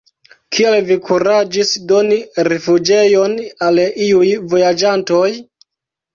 Kial vi kuraĝis doni rifuĝejon al iuj vojaĝantoj?